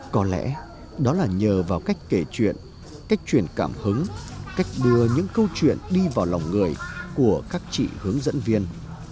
có lẽ đó là nhờ vào cách kể chuyện cách chuyển cảm hứng cách đưa những câu chuyện đi vào lòng người của các chị hướng dẫn viên